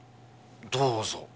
どうぞ。